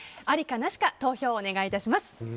ありかなしか投票をお願いします。